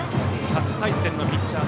初対戦のピッチャー